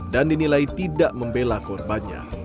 dan dinilai tidak membela korbannya